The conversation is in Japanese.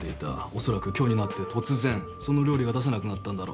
おそらく今日になって突然その料理が出せなくなったんだろう。